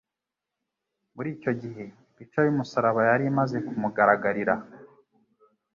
Muri icyo gihe ipica y'umusaraba yari imaze kumugaragarira;